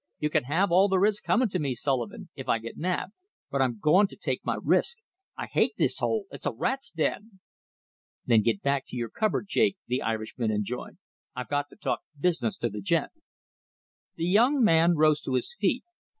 "You can have all there is coming to me, Sullivan, if I get nabbed, but I'm going to take my risk. I hate this hole! It's a rat's den." "Then get you back to your cupboard, Jake," the Irishman enjoined. "I've got to talk business to the gent." The young man rose to his feet.